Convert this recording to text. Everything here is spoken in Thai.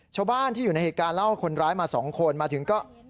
ชาวบ้านที่อยู่ในเหตุการณ์เล่าว่าคนร้ายมา๒คนมาถึงก็